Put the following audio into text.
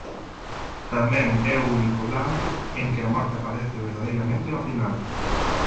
Tamén é o único lance en que a morte aparece verdadeiramente ao final.